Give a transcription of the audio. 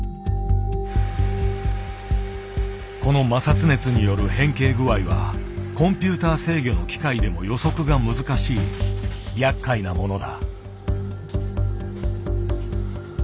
この摩擦熱による変形具合はコンピューター制御の機械でも予測が難しいやっかいなものだ。